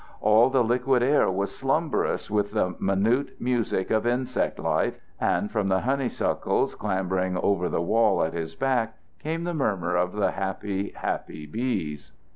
All the liquid air was slumbrous with the minute music of insect life, and from the honeysuckles clambering over the wall at his back came the murmur of the happy, happy bees.